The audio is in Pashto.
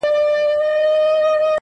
په تلاښ د وظیفې سوه د خپل ځانه,